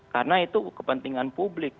karena itu kepentingan publik